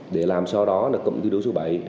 để làm sao đó cộng đối số bảy